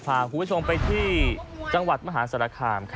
พาคุณผู้ชมไปที่จังหวัดมหาสารคาม